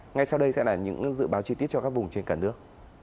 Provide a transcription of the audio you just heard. ngay sau đây sẽ là những dự báo chi tiết cho các vùng trên cả nước